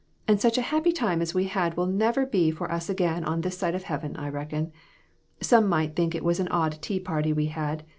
And such a happy time as we had will never be for us again on this side of heaven, I reckon. Some might think it was an odd tea party we had.